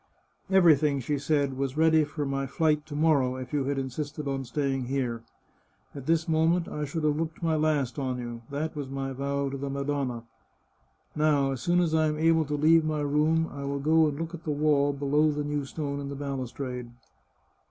" Everything," she said, " was ready for my flight to morrow, if you had insisted on staying on here. At this moment I should have looked my last on you. That was my vow to the Madonna. Now, as soon as I am able to leave my room I will go and look at the wall below the new stone in the balustrade."